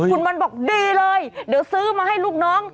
คุณมันบอกดีเลยเดี๋ยวซื้อมาให้ลูกน้อง